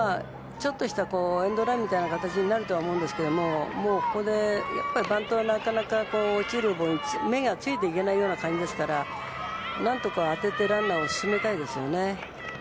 ちょっとしたエンドランみたいな形になると思うんですがここで、バントはなかなか落ちるボールには、目がついていけないような感じなので何とか当ててランナーを進めたいですね。